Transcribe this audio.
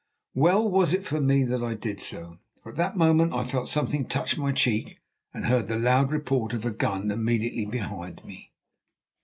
Well was it for me that I did so, for at that moment I felt something touch my cheek and heard the loud report of a gun immediately behind me.